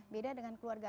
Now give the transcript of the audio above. beda dengan keluarga